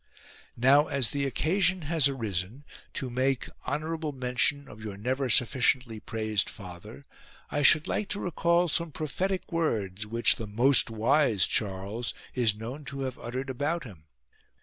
lo. Now as the occasion has arisen to make honour able mention of your never sufficiently praised father, I should like to recall some prophetic words which the most wise Charles is known to have uttered about him.